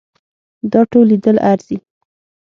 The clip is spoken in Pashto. دا ټول لیدل ارزي.